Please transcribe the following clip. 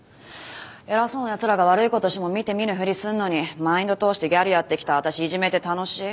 偉そうな奴らが悪い事しても見て見ぬふりするのにマインド通してギャルやってきた私いじめて楽しい？